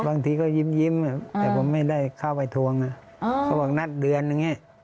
บางทีก็ยิ้มแต่ผมไม่ได้เข้าไปทวงนะเขาบอกนัดเดือนอย่างนี้